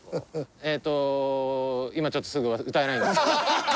えーっと今ちょっとすぐは歌えないんですけど。